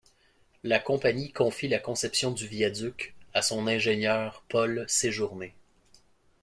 La compagnie confie la conception du viaduc à son ingénieur Paul Séjourné.